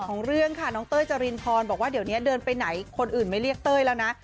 เรื่องค่ะน้องเต้ยจรินพรบอกว่าเดี๋ยวนี้เดินไปไหนคนอื่นไม่เรียกเต้ยแล้วนะ